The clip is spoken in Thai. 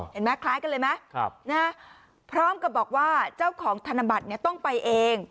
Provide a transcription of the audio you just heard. เห็นไหมคล้ายกันเลยไหมนะครับพร้อมกับบอกว่าเจ้าของธนบัตรเนี่ยต้องไปเอง